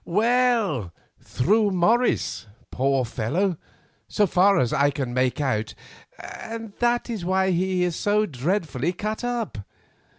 "Well, through Morris, poor fellow, so far as I can make out, and that is why he is so dreadfully cut up.